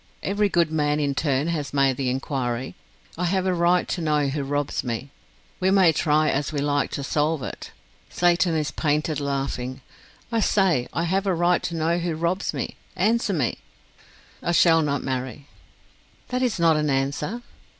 Every good man in turn has made the inquiry. I have a right to know who robs me We may try as we like to solve it. Satan is painted laughing! I say I have a right to know who robs me. Answer me." "I shall not marry." "That is not an answer."